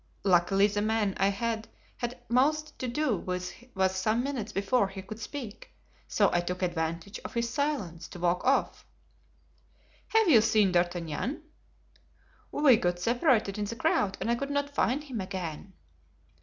Luckily the man I had had most to do with was some minutes before he could speak, so I took advantage of his silence to walk off." "Have you seen D'Artagnan?" "We got separated in the crowd and I could not find him again."